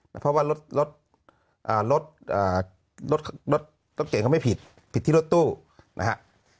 เพราะว่ารถรถเก่งเขาไม่ผิดผิดที่รถตู้นะฮะ